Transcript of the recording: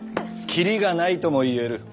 キリがないとも言える。